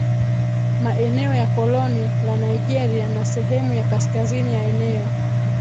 maeneo ya koloni la Nigeria na sehemu ya kaskazini ya eneo